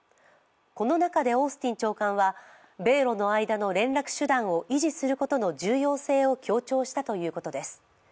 この中でオースティン長官は米ロの間の連絡手段を重要性を強調したということです。